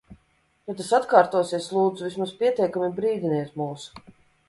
Ja tas atkārtosies, lūdzu, vismaz pietiekami brīdiniet mūs.